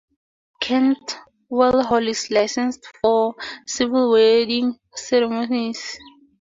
Kentwell Hall is licensed for civil wedding ceremonies.